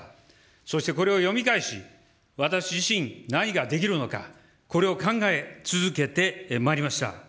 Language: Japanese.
そして、これを読み返し、私自身、何ができるのか、これを考え続けてまいりました。